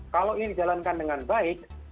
kalau ini dijalankan dengan baik